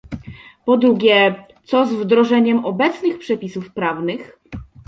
Po drugie, co z wdrożeniem obecnych przepisów prawnych?